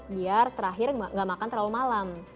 biar terakhir nggak makan terlalu malam